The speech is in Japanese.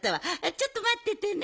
ちょっとまっててね。